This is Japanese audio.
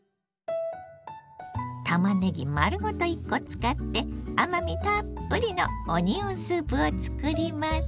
たまねぎ丸ごと１コ使って甘みたっぷりのオニオンスープを作ります。